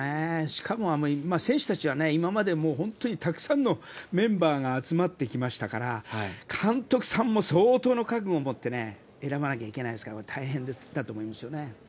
しかも選手たちは今まで本当にたくさんのメンバーが集まってきましたから監督さんも相当の覚悟を持って選ばなきゃいけないですから大変だと思いますよね。